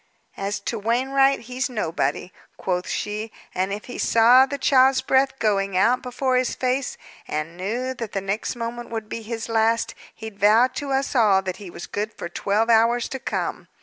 "As to Wainwright, he's nobody," quoth she. "And if he saw the child's breath going out before his face, and knew that the next moment would be his last, he'd vow to us all that he was good for twelve hours to come.